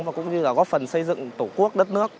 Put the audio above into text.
và cũng như là góp phần xây dựng tổ quốc đất nước